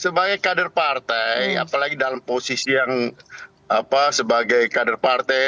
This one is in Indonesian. sebagai kader partai apalagi dalam posisi yang sebagai kader partai